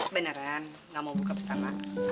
beneran gak mau buka pesan mak